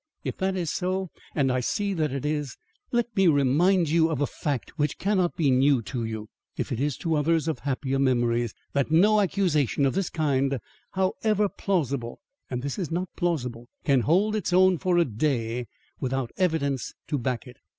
If that is so, and I see that it is, let me remind you of a fact which cannot be new to you if it is to others of happier memories, that no accusation of this kind, however plausible and this is not plausible can hold its own for a day without evidence to back it.